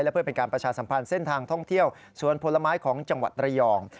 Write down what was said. เพื่อเป็นการประชาสัมพันธ์เส้นทางท่องเที่ยวสวนผลไม้ของจังหวัดระยอง